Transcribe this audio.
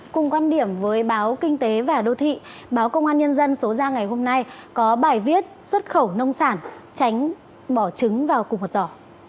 cùng quan điểm với báo kinh tế và đô thị báo công an nhân dân số ra ngày hôm nay có bài viết xuất khẩu nông sản tránh bỏ trứng vào cùng một giỏ